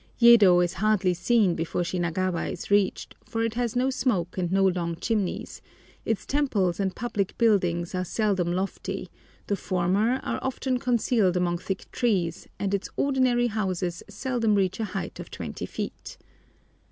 Yedo is hardly seen before Shinagawa is reached, for it has no smoke and no long chimneys; its temples and public buildings are seldom lofty; the former are often concealed among thick trees, and its ordinary houses seldom reach a height of 20 feet.